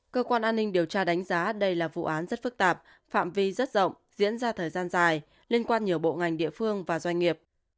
cơ quan an ninh điều tra đánh giá đây là vụ án rất phức tạp phạm vi rất rộng diễn ra thời gian dài liên quan nhiều bộ ngành địa phương và doanh nghiệp